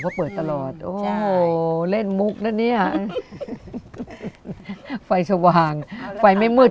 เขาเปิดตลอดโอ้โหเล่นมุกนะเนี่ยไฟสว่างไฟไม่มืด